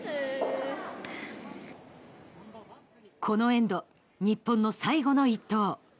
このエンド、日本の最後の１投。